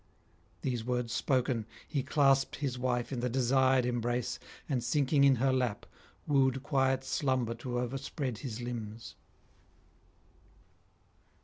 These words spoken, he clasped his wife in the desired embrace, and, sinking in her lap, wooed quiet slumber to overspread his limbs.